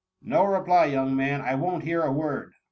No reply, young man ; I won't hear a word.''